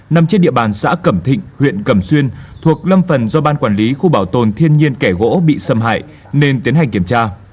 nằm trên địa bàn xã cẩm thịnh huyện cẩm xuyên thuộc lâm phần do ban quản lý khu bảo tồn thiên nhiên kẻ gỗ bị xâm hại nên tiến hành kiểm tra